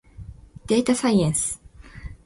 でーたさいえんす。